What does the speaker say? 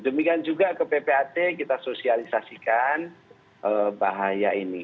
demikian juga ke ppat kita sosialisasikan bahaya ini